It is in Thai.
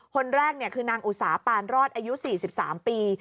คนแรกคือนางอุสาปานรอดอายุ๔๓ปี